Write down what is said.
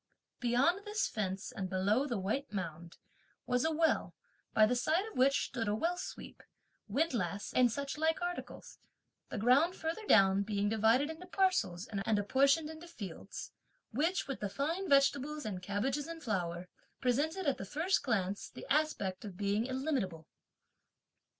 Beyond this fence and below the white mound, was a well, by the side of which stood a well sweep, windlass and such like articles; the ground further down being divided into parcels, and apportioned into fields, which, with the fine vegetables and cabbages in flower, presented, at the first glance, the aspect of being illimitable.